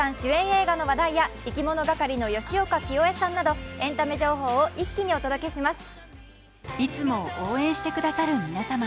映画の話題やいきものがかりの吉岡聖恵さんなどエンタメ情報を一気にお届けします。